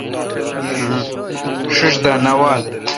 ݭݭ دا نہ وال۔